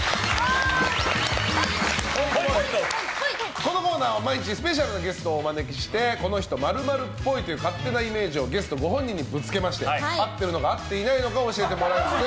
このコーナーは毎日スペシャルなゲストをお招きしてこの人○○っぽいという勝手なイメージをゲストご本人にぶつけまして合ってるのか合っていないのかを教えてもらいつつ。